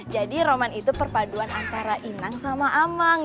jadi roman itu perpaduan antara inang sama amang